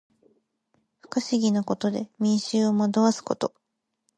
不可思議なことで民衆を惑わすこと。